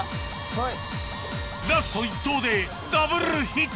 はい。